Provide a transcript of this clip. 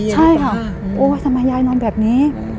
ใช่ค่ะโอ้ทำไมยายนอนแบบนี้